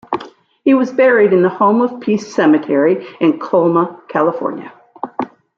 He was buried in the Home of Peace Cemetery in Colma, California.